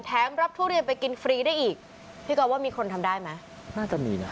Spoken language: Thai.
แถมรับทุเรียนไปกินฟรีได้อีกพี่ก๊อฟว่ามีคนทำได้ไหมน่าจะมีนะ